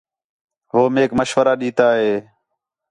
ہو میک مشورہ ݙیتا ہے